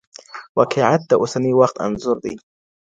واقعیت د اوسني وخت انځور دئ.